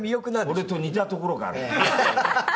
俺と似たところがある。